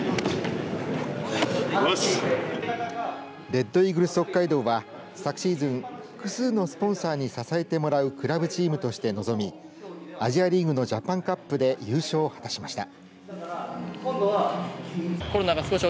レッドイーグルス北海道は昨シーズン、複数のスポンサーに支えてもらうクラブチームとして臨みアジアリーグのジャパンカップで優勝を果たしました。